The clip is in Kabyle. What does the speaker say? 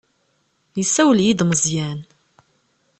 Yessawel-iyi-d Meẓyan.